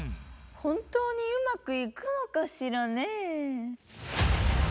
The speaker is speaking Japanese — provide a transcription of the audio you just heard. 本当にうまくいくのかしらね。